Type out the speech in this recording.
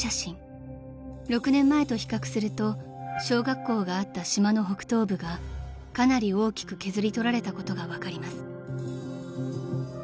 ［６年前と比較すると小学校があった島の北東部がかなり大きく削り取られたことが分かります］